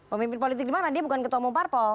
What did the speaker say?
pemimpin politik di mana dia bukan ketua umum parpol